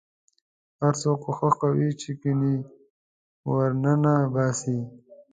هر څوک کوښښ کاوه چې ګنې ورننه باسي.